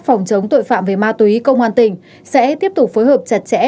phòng chống tội phạm về ma túy công an tỉnh sẽ tiếp tục phối hợp chặt chẽ